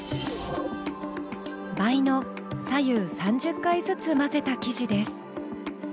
倍の左右３０回ずつ混ぜた生地です。